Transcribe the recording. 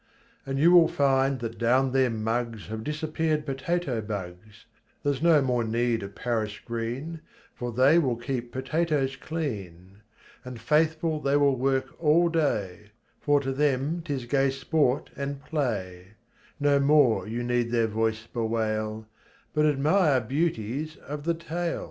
And you will find that down their muggs Have disappeared potato bugs, Theres no more need of Paris green For they will keep potatoes clean. And faithful they will work all day, For to them 'tis gay sport and play ; No more you need their voice bewail, But admire beauties of the tail.